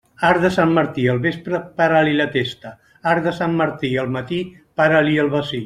Arc de Sant Martí al vespre, para-li la testa; arc de Sant Martí al matí, para-li el bací.